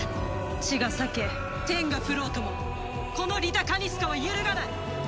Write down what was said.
地が裂け天が降ろうともこのリタ・カニスカは揺るがない！